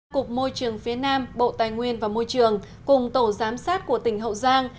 cục môi trường phía nam bộ tài nguyên và môi trường cùng tổ giám sát của tỉnh hậu giang